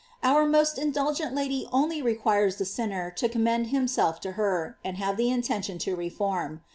J Our most indulgent lady only re quires the sinner to commend himself to her, and have the intention to reform.